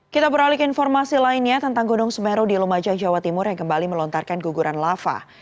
kita beralih ke informasi lainnya tentang gunung semeru di lumajang jawa timur yang kembali melontarkan guguran lava